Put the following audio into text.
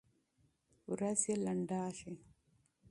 ورځي لنډيږي